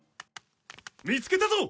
見つけたぞ！